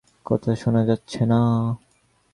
কথা শোনা যাচ্ছে না।